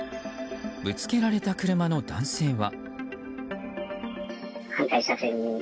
ぶつけられた車の男性は。